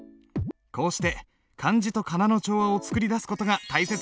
こうして漢字と仮名の調和を作り出す事が大切なんだ。